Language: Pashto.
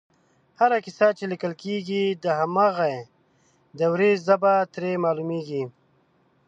هره کیسه چې لیکل کېږي د هماغې دورې ژبه ترې معلومېږي